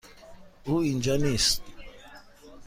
او اینجا نیست.